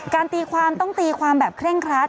ตีความต้องตีความแบบเคร่งครัด